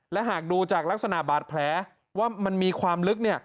และหากดูจากลักษณะบาดแผลว่ามันมีความลึก